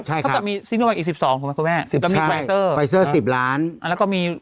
ใช่ครับเขาก็มีอีกสิบสองถูกไหมครับแม่สิบใช่แล้วก็มี